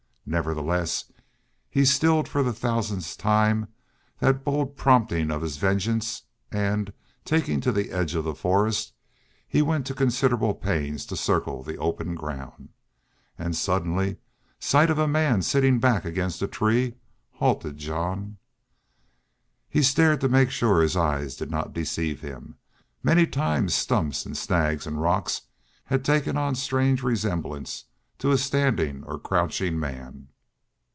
Nevertheless, he stilled for the thousandth time that bold prompting of his vengeance and, taking to the edge of the forest, he went to considerable pains to circle the open ground. And suddenly sight of a man sitting back against a tree halted Jean. He stared to make sure his eyes did not deceive him. Many times stumps and snags and rocks had taken on strange resemblance to a standing or crouching man.